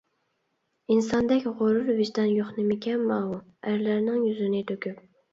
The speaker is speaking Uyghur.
ئىنساندەك غۇرۇر، ۋىجدان يوق نېمىكەن ماۋۇ! ئەرلەرنىڭ يۈزىنى تۆكۈپ.